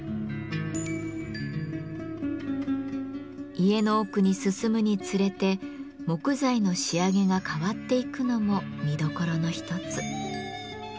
家の奥に進むにつれて木材の仕上げが変わっていくのも見どころの一つ。